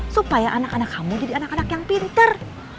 supaya anak anak kamu jadi anak anak yang pinter